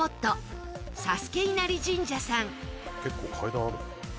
結構階段あるな。